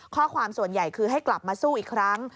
ข้อความส่วนใหญ่คือให้กลับมาสู้อีกครั้ง